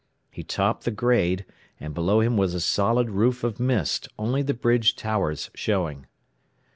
He topped the grade, and below him was a solid roof of mist, only the bridge towers showing.